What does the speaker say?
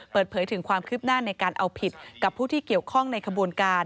เปิดเผยถึงความคืบหน้าในการเอาผิดกับผู้ที่เกี่ยวข้องในขบวนการ